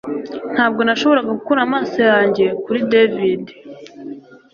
Ntabwo nashoboraga gukura amaso yanjye kuri David